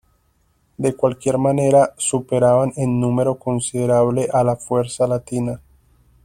De cualquier manera, superaban en número considerable a la fuerza latina.